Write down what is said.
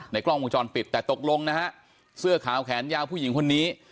กล้องวงจรปิดแต่ตกลงนะฮะเสื้อขาวแขนยาวผู้หญิงคนนี้